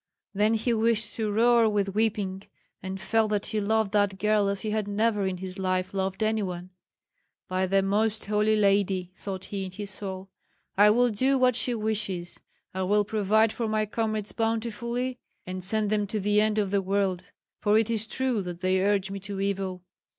Then he wished to roar with weeping, and felt that he loved that girl as he had never in his life loved any one. "By the Most Holy Lady!" thought he, in his soul, "I will do what she wishes; I will provide for my comrades bountifully, and send them to the end of the world; for it is true that they urge me to evil."